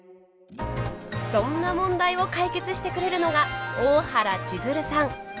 そんな問題を解決してくれるのが大原千鶴さん。